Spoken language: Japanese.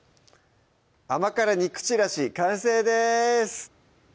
「甘辛肉ちらし」完成です